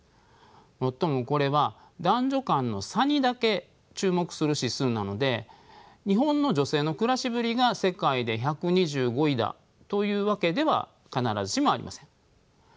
もっともこれは男女間の差にだけ注目する指数なので日本の女性の暮らしぶりが世界で１２５位だというわけでは必ずしもありません。